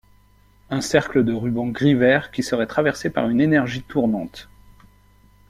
Un cercle de ruban gris-vert qui serait traversé par une énergie tournante.